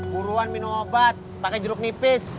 buruan minum obat pakai jeruk nipis